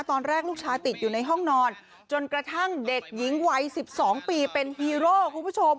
ตอนแรกลูกชายติดอยู่ในห้องนอนจนกระทั่งเด็กหญิงวัย๑๒ปีเป็นฮีโร่คุณผู้ชม